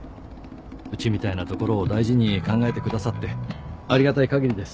うちみたいな所を大事に考えてくださってありがたいかぎりです。